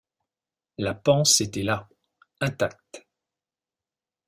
La panse était là, intacte.